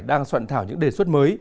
đang soạn thảo những đề xuất mới